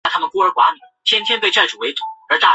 圆腺带形吸虫为双腔科带形属的动物。